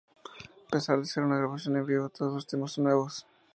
A pesar de ser una grabación en vivo, todos los temas son nuevos.